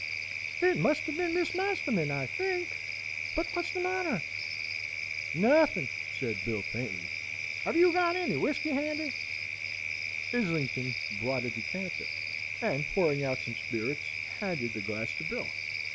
"It must have been Miss Masterman, I think; but what's the matter?" "Nothing," said Bill, faintly; "have you got any whiskey handy?" Islington brought a decanter, and, pouring out some spirits, handed the glass to Bill.